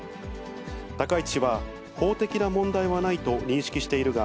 高市氏は、法的な問題はないと認識しているが、